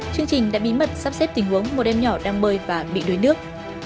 chương trình đã bí mật sắp xếp tình huống một em nhỏ đang bơi và bị đuối nước